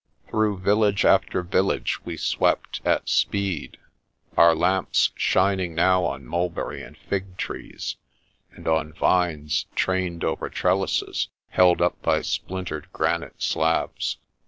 Through village after village we swept at speed, our lamps shining now on mulberry and fig trees, and on vines trained over trellises held up by splintered granite slabs.